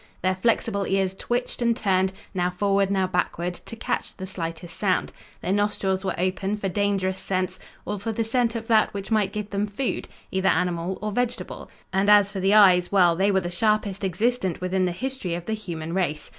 Their flexible ears twitched, and turned, now forward now backward, to catch the slightest sound. Their nostrils were open for dangerous scents, or for the scent of that which might give them food, either animal or vegetable, and as for the eyes, well, they were the sharpest existent within the history of the human race.